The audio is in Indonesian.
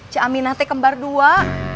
cik aminah te kembar dua